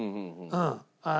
うん。